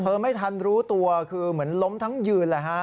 ไม่ทันรู้ตัวคือเหมือนล้มทั้งยืนเลยฮะ